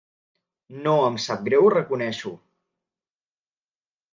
No em sap greu reconèixer-ho.